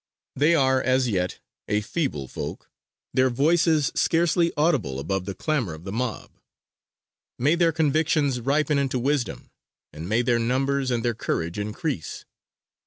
They are as yet a feeble folk, their voices scarcely audible above the clamor of the mob. May their convictions ripen into wisdom, and may their numbers and their courage increase!